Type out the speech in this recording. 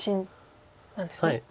はい。